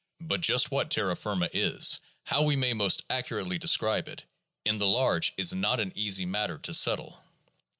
But just what terra firma is, how we may most accurately describe it, in the large, is not an easy matter to settle.